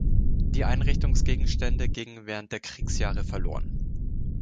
Die Einrichtungsgegenstände gingen während der Kriegsjahre verloren.